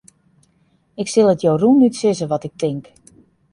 Ik sil it jo rûnút sizze wat ik tink.